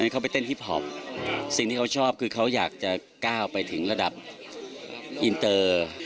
เขาไปเต้นฮิปพอปสิ่งที่เขาชอบคือเขาอยากจะก้าวไปถึงระดับอินเตอร์